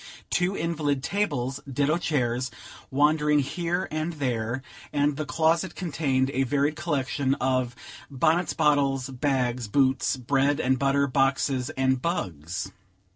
Two invalid tables, ditto chairs, wandered here and there, and the closet contained a varied collection of bonnets, bottles, bags, boots, bread and butter, boxes and bugs.